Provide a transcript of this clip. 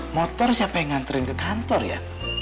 motor siapa yang nganterin ke kantor ya